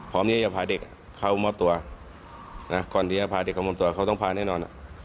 ที่จะพาเด็กเข้ามอบตัวก่อนที่จะพาเด็กเข้ามอบตัวเขาต้องพาแน่นอน